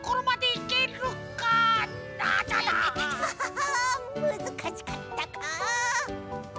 アハハむずかしかったか。